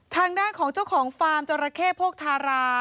ทางด้านของเจ้าของฟาร์มจราเข้โภคทารา